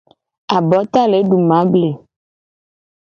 Abota le du mable.